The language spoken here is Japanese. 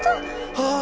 ああ！